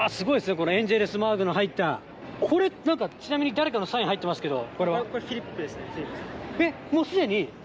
このエンゼルスマークの入った、これなんかちなみに誰かのサイン入ってますけど。